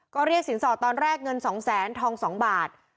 ก็เรียกสินสอดตอนแรกเงิน๒แสนทอง๒บาท